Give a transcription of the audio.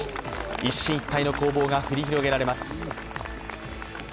一進一退の攻防が繰り広げられます。